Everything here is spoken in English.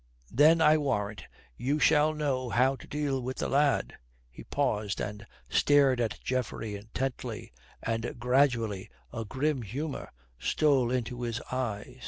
Then I warrant you we shall know how to deal with the lad." He paused and stared at Geoffrey intently, and gradually a grim humour stole into his eyes.